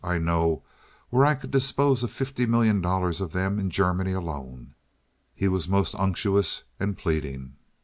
I know where I couldt dispose of fifty million dollars off dem in Cermany alone." He was most unctuous and pleading.